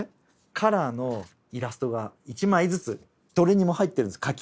カラーのイラストが１枚ずつどれにも入ってるんです描きおろし。